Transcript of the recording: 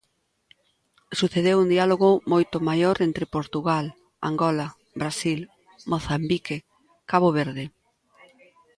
Sucedeu un diálogo moito maior entre Portugal, Angola, Brasil, Mozambique, Cabo Verde.